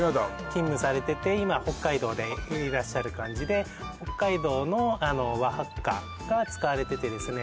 勤務されてて今北海道でいらっしゃる感じで北海道の和ハッカが使われててですね